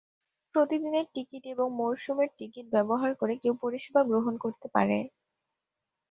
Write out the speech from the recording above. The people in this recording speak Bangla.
প্রতিদিনের টিকিট এবং মরসুমের টিকিট ব্যবহার করে কেউ পরিষেবা গ্রহণ করতে পারে।